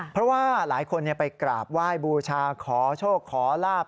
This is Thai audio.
เพราะว่าหลายคนไปกราบไหว้บูชาขอโชคขอลาบ